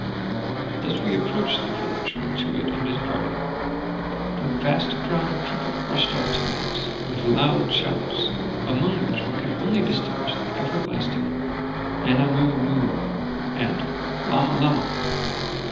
As we approached the village with Too wit and his party, a vast crowd of the people rushed out to meet us, with loud shouts, among which we could only distinguish the everlasting Anamoo moo! and Lama Lama!